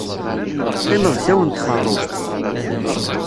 Teqqimeḍ ddaw n txeṛṛubt.